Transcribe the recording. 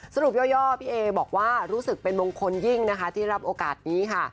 ย่อพี่เอบอกว่ารู้สึกเป็นมงคลยิ่งนะคะที่รับโอกาสนี้ค่ะ